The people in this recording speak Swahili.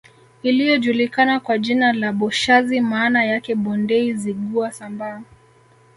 Iliyojulikana kwa jina la Boshazi maana yake Bondei Zigua Sambaa